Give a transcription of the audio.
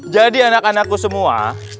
jadi anak anakku semua